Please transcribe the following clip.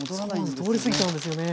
通り過ぎちゃうんですよね。